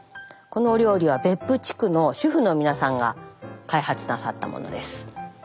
このお料理は別府地区の主婦のみなさんが開発なさったものです。